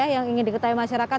yang ingin diketahui masyarakat